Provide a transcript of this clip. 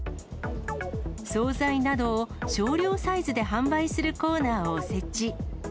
総菜などを少量サイズで販売するコーナーを設置。